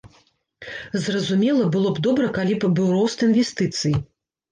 Зразумела, было б добра, калі б быў рост інвестыцый.